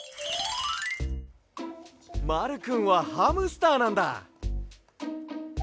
まるくんはハムスターなんだ。